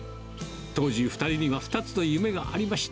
当時、２人には２つの夢がありました。